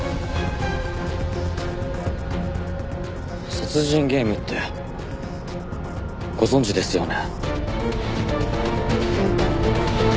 殺人ゲームってご存じですよね？